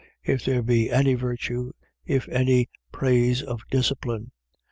If there be any virtue, if any praise of discipline.